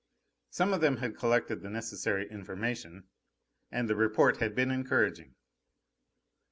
Some of them had collected the necessary information; and the report had been encouraging.